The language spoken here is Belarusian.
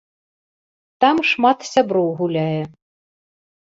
Там шмат сяброў гуляе.